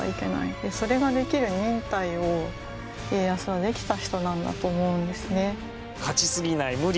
でそれができる忍耐を家康はできた人なんだと思うんですね。